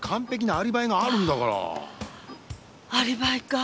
アリバイかぁ。